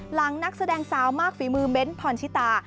นักแสดงสาวมากฝีมือเบ้นพรชิตา